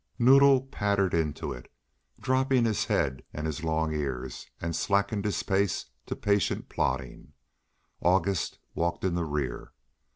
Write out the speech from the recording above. Noddle pattered into it, dropped his head and his long ears and slackened his pace to patient plodding. August walked in the rear.